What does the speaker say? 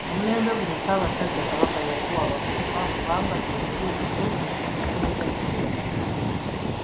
Omulembe guno Ssaabasajja Kabaka yaguwa abavubuka kubanga gy'emiti emito egiggumizza ekibira.